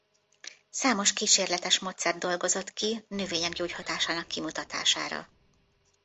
Számos kísérletes módszert dolgozott ki növények gyógyhatásának kimutatására.